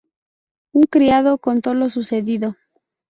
Un criado contó lo sucedido.